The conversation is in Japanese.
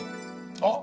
あっ！